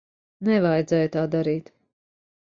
Nevajadzēja tā darīt.